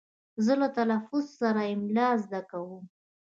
زه له تلفظ سره املا زده کوم.